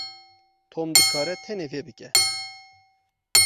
Tom dikare tenê vê bike.